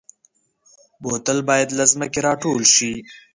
بوتل باید له ځمکې راټول شي.